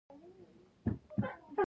پخو کسانو سره بحث خوند کوي